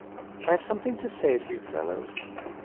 I have something to say to you fellows.